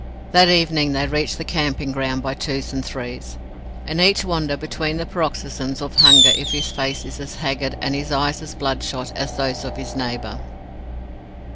That evening they reach the camping ground by twos and threes; and each wonders between the paroxysms of hunger if his face is as haggard, and his eyes as bloodshot, as those of his neighbour.